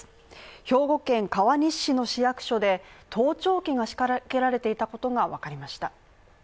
兵庫県川西市の市役所で盗聴器が仕掛けられていたことがわかりました。